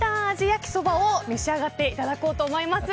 焼きそばを召し上がっていただこうと思います。